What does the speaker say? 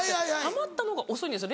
ハマったのが遅いんですよ